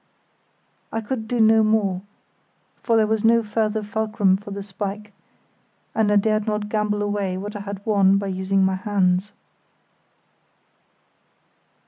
I could do no more, for there was no further fulcrum for the spike, and I dared not gamble away what I had won by using my hands.